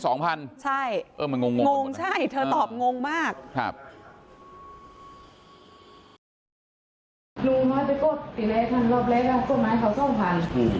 ลุงเขาให้ไปกดติดแรงกันรอบแรกกดมาให้เขาซ่อมผ่าน